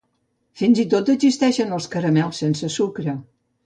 Fins i tot, existeixen els caramels sense sucre.